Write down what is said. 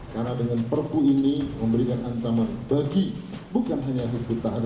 karena dengan perpu ini memberikan ancaman bagi bukan hanya hizbut tahrir